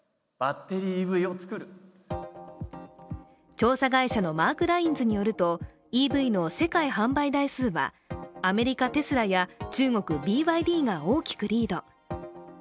調査会社のマークラインズによるとＥＶの世界販売台数はアメリカ・テスラや中国・ＢＹＤが大きくリード。